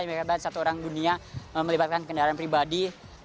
yang mengibatkan satu orang dunia melibatkan kendaraan pribadi